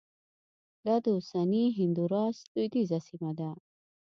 دا د اوسني هندوراس لوېدیځه سیمه ده